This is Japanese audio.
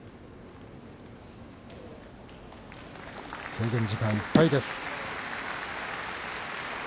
制限時間いっぱいです。